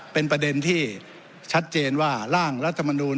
เป็นประเด็นที่ชัดเจนว่าร่างรัฐมนูล